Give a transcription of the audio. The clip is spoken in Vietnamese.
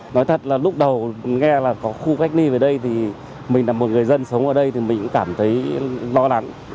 nói thật là lúc đầu nghe là có khu cách ly về đây thì mình là một người dân sống ở đây thì mình cũng cảm thấy lo lắng